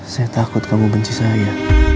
saya takut kamu benci saya